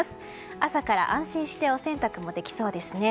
朝から安心してお洗濯もできそうですね。